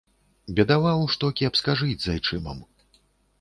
Бедаваў, што кепска жыць з айчымам.